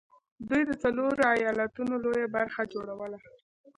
دوی د څلورو ايالتونو لويه برخه جوړوله